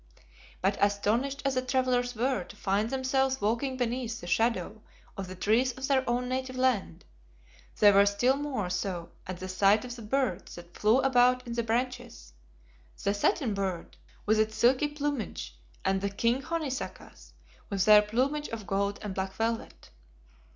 But astonished as the travelers were to find themselves walking beneath the shadow of the trees of their own native land, they were still more so at the sight of the birds that flew about in the branches the "satin bird," with its silky plumage, and the "king honeysuckers," with their plumage of gold and black velvet.